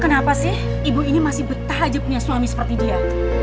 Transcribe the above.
kenapa sih ibu ini masih betahhajud punya suami seperti dia